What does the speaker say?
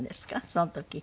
その時。